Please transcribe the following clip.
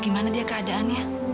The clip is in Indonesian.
gimana dia keadaannya